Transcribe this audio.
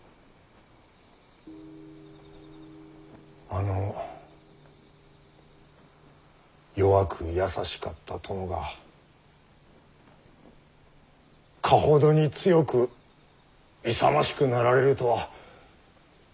あの弱く優しかった殿がかほどに強く勇ましくなられるとは。